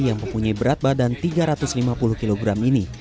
yang mempunyai berat badan tiga ratus lima puluh kg ini